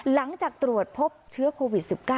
หลังจากตรวจพบเชื้อโควิด๑๙